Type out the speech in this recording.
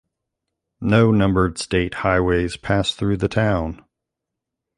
No numbered state highways pass through the town.